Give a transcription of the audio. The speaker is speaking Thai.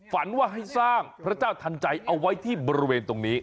ฝันว่าให้สร้างพระเจ้าทันใจเอาไว้ที่บริเวณตรงนี้